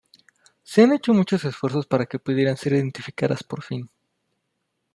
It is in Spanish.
Se han hecho muchos esfuerzos para que pudieran ser identificadas por fin.